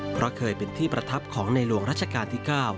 เพราะเคยเป็นที่ประทับของในหลวงรัชกาลที่๙